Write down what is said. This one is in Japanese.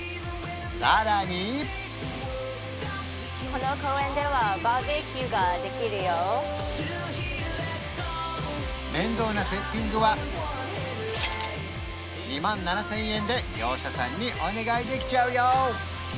さらに面倒なセッティングは２万７０００円で業者さんにお願いできちゃうよ